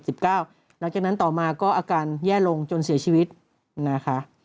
หลังจากนั้นต่อมาก็อาการแย่ลงจนเสียชีวิตนะคะ